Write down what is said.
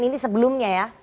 ini sebelumnya ya